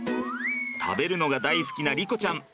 食べるのが大好きな莉子ちゃん。